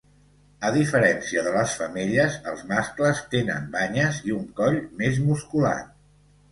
A diferència de les femelles, els mascles tenen banyes i un coll més musculat.